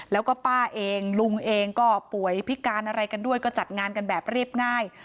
แล้วก็ป้าเองลุงเองก็ป่วยพิการอะไรกันด้วยก็จัดงานกันแบบเรียบง่าย